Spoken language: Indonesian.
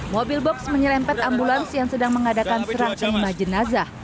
mobil box menyerempet ambulans yang sedang mengadakan serang kelima jenasa